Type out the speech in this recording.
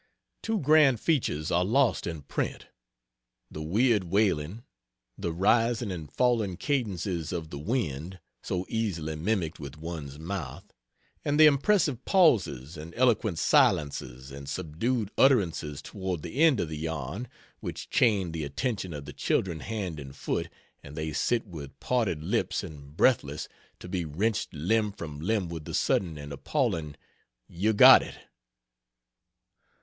Two grand features are lost in print: the weird wailing, the rising and falling cadences of the wind, so easily mimicked with one's mouth; and the impressive pauses and eloquent silences, and subdued utterances, toward the end of the yarn (which chain the attention of the children hand and foot, and they sit with parted lips and breathless, to be wrenched limb from limb with the sudden and appalling "You got it").